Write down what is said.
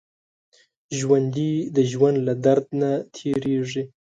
ژوندي د ژوند له درد نه تېرېږي